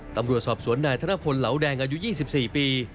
ตำรวจสอบสวนนายธนพลเหลาแดงอายุ๒๔ปี